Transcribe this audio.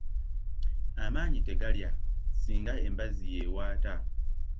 Amaanyi tegalya singa embazzi y’ewaata